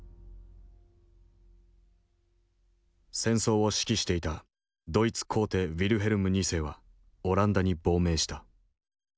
戦争を指揮していたドイツ皇帝ウィルヘルム２世はオランダに亡命した。